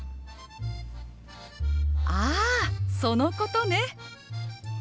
あそのことね！